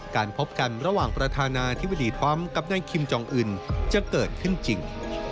การพบกันระหว่างประธานาธิบดีทรัมป์กับนายคิมจองอื่นจะเกิดขึ้นจริง